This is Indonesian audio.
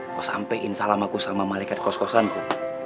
kau sampein salam aku sama malaikat kos kosanku